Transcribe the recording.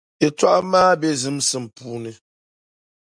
Yɛltɔɣa maa be zimsim puuni.